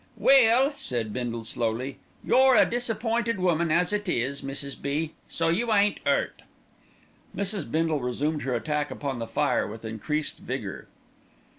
"Well," said Bindle slowly, "you're a disappointed woman as it is, Mrs. B., so you ain't 'urt." Mrs. Bindle resumed her attack upon the fire with increased vigour.